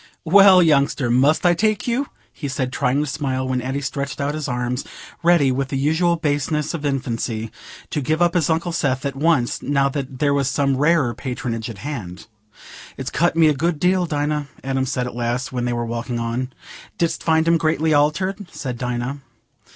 "Well, youngster, must I take you?" he said, trying to smile, when Addy stretched out his arms—ready, with the usual baseness of infancy, to give up his Uncle Seth at once, now there was some rarer patronage at hand. "It's cut me a good deal, Dinah," Adam said at last, when they were walking on. "Didst find him greatly altered?" said Dinah.